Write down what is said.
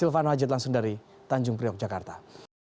majid langsung dari tanjung priok jakarta